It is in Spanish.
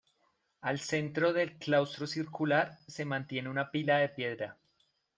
Al centro del claustro circular se mantiene una pila de piedra.